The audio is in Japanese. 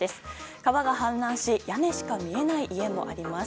川が氾濫し屋根しか見えない家もあります。